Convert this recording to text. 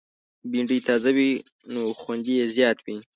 بېنډۍ تازه وي، نو خوند یې زیات وي